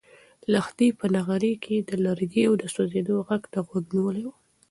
لښتې په نغري کې د لرګیو د سوزېدو غږ ته غوږ نیولی و.